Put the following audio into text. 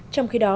trong khi đó